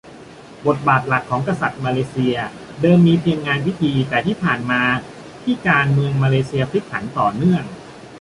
บทบาทหลักของกษัตริย์มาเลเซียเดิมมีเพียงงานพิธี แต่ที่ผ่านมาที่การเมืองมาเลเซียผลิกผันต่อเนื่อง